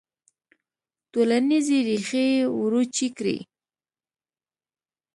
ټولنیزې ریښې وروچې کړي.